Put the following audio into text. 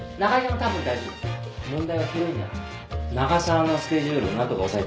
長澤のスケジュールを何とか押さえたい。